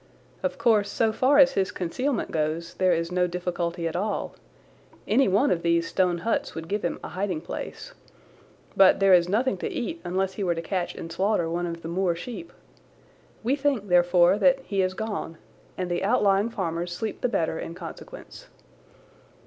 Of course, so far as his concealment goes there is no difficulty at all. Any one of these stone huts would give him a hiding place. But there is nothing to eat unless he were to catch and slaughter one of the moor sheep. We think, therefore, that he has gone, and the outlying farmers sleep the better in consequence.